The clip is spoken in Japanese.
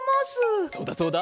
そうだそうだ。